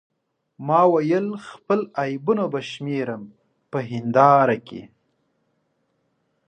ما وې خپل عیبونه به شمیرم د هنداره کې